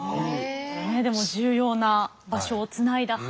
でも重要な場所をつないだ橋。